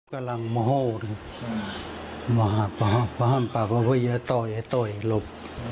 แต่น้องเขาหลบ